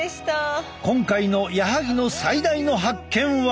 今回の矢萩の最大の発見は。